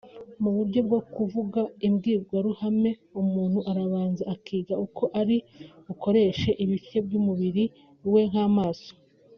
Mu buryo bwo kuvuga imbwirwaruhame umuntu arabanza akiga uko ari bukoreshe ibice by’umubiri we nk’amaso